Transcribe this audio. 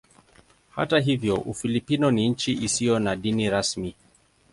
Hata hivyo Ufilipino ni nchi isiyo na dini rasmi.